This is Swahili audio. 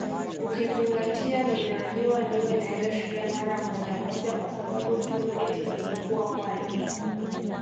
Ukizingatia nimeambiwa niwe naenda shule mara moja moja kwa sababu tu eti nimekuwa mwali